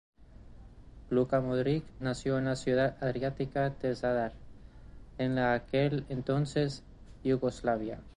Luka Modrić nació en la ciudad adriática de Zadar, en la aquel entonces Yugoslavia.